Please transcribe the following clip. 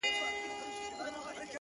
ملاکه چي په زړه کي په وا وا ده’